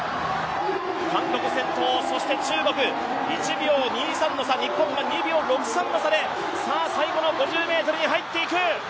中国と韓国、１秒２３の差、日本が２秒６３の差で最後の５０ｍに入っていく。